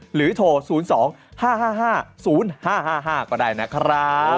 หรือโทร๐๒๕๕๕๐๕๕ก็ได้นะครับ